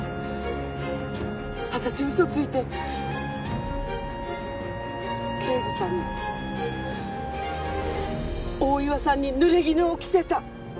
私嘘ついて刑事さんに大岩さんに濡れ衣を着せた。